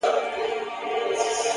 دلته اوسم;